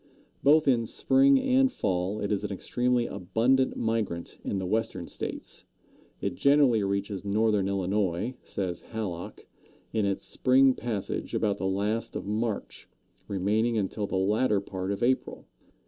Both in spring and fall it is an extremely abundant migrant in the Western States. It generally reaches northern Illinois, says Hallock, in its spring passage about the last of March, remaining until the latter part of April.